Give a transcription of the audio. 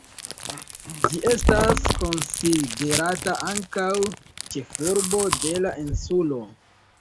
Ĝi estas konsiderata ankaŭ ĉefurbo de la insulo.